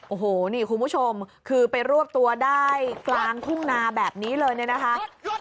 โอ้โหนี่คุณผู้ชมคือไปรวบตัวได้กลางทุ่งนาแบบนี้เลยเนี่ยนะคะ